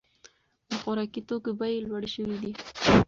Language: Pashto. د خوراکي توکو بیې لوړې شوې دي.